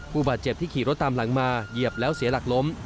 ผู้บาดเจ็บที่ขี่รถตามหลังมาเหยียบแล้วเสียหลักล้ม